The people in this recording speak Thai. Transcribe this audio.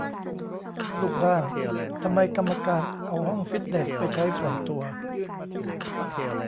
ลูกบ้าน : ทำไมกรรมการเอาห้องฟิตเนสไปใช้ส่วนตัว